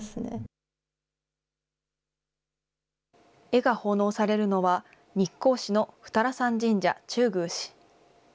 絵が奉納されるのは、日光市の二荒山神社中宮祠。